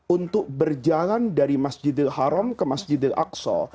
untuk berjalan dari masjidil haram ke masjidil aqsa